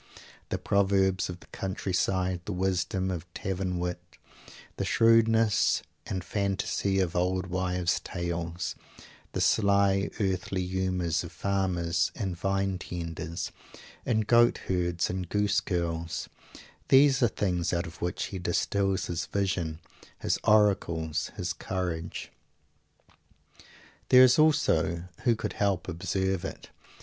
The proverbs of the country side, the wisdom of tavern wit, the shrewdness and fantasy of old wives tales, the sly earthly humors of farmers and vine tenders and goat herds and goose girls these are things out of which he distils his vision, his oracles, his courage. There is also who could help observing it?